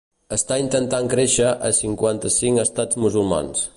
Està intentant créixer a cinquanta-cinc estats musulmans.